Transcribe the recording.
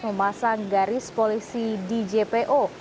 memasang garis polisi di jpo